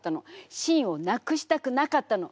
清をなくしたくなかったの！